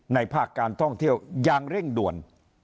ภาคการท่องเที่ยวอย่างเร่งด่วน